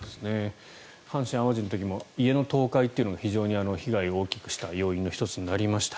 阪神・淡路の時も家の倒壊というのが非常に被害を大きくした要因の１つになりました。